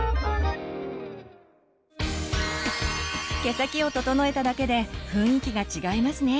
毛先を整えただけで雰囲気が違いますね。